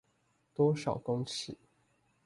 多少公尺